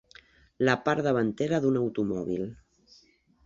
La part davantera d'un automòbil.